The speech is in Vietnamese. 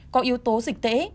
có yếu tố dịch tễ